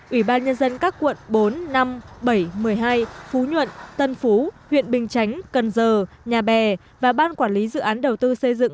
ubnd các quận bốn năm bảy một mươi hai phú nhuận tân phú huyện bình chánh cần giờ nhà bè và ban quản lý dự án đầu tư xây dựng